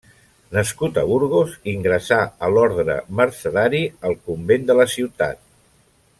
Nascut a Burgos, ingressà a l'orde mercedari al convent de la ciutat.